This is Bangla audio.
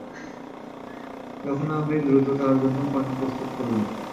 তখন আমি অতি দ্রুত তার জন্য পানি প্রস্তুত করলাম।